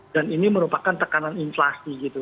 dan ini merupakan tekanan inflasi gitu